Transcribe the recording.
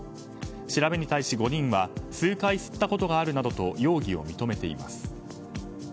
調べに対し、５人は数回吸ったことがあるなどと容疑を認めています。